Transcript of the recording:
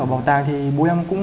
ở bảo tàng thì bố em cũng